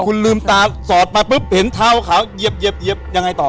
คุณลืมตาสอดมาปุ๊บเห็นเท้าขาวเหยียบยังไงต่อ